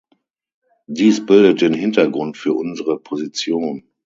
Dies bildet den Hintergrund für unsere Position.